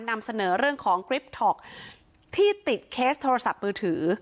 นำเสนอเรื่องของกริปท็อกที่ติดเคสโทรศัพท์มือถือ